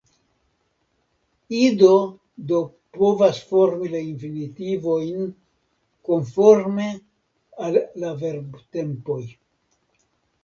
Ido do povas formi la infinitivojn konforme al la verbtempoj.